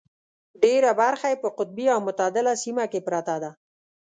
ډېره برخه یې په قطبي او متعدله سیمه کې پرته ده.